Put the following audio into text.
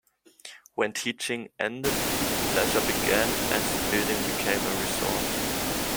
When teaching ended, pleasure began as the building became a resort.